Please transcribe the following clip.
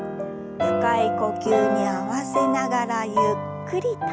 深い呼吸に合わせながらゆっくりと。